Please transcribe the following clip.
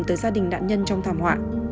tới gia đình nạn nhân trong thảm họa